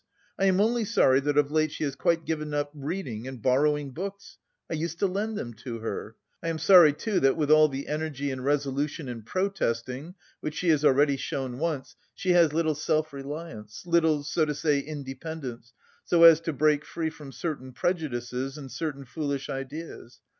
I am only sorry that of late she has quite given up reading and borrowing books. I used to lend them to her. I am sorry, too, that with all the energy and resolution in protesting which she has already shown once she has little self reliance, little, so to say, independence, so as to break free from certain prejudices and certain foolish ideas.